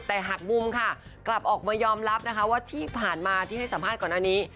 แต่หากมุมค่ะกลับออกมายอมรับนะคะว่าที่ผ่านมาที่ให้สัมภาษณ์ก่อนอันนี้